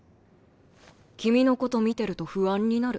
君のこと見てると不安になる。